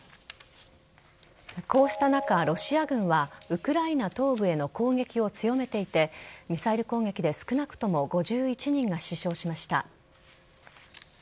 こうした中、ロシア軍はウクライナ東部への攻撃を強めていてミサイル攻撃で少なくとも５１人が死傷しました。